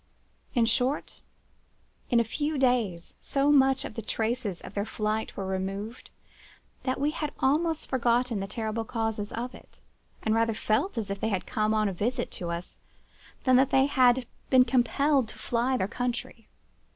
In short, in a few days so much of the traces of their flight were removed, that we had almost forgotten the terrible causes of it, and rather felt as if they had come on a visit to us than that they had been compelled to fly their country.